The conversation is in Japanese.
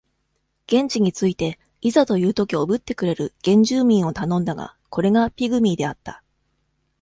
現地に着いて、いざというときおぶってくれる、原住民を頼んだが、これがピグミーであった。